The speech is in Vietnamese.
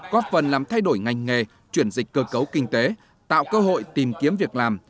có phần làm thay đổi ngành nghề chuyển dịch cơ cấu kinh tế tạo cơ hội tìm kiếm việc làm